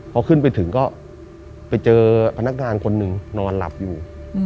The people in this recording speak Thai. พอขึ้นไปถึงก็ไปเจอพนักงานคนหนึ่งนอนหลับอยู่